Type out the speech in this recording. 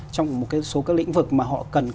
trong một số các lĩnh vực mà họ cần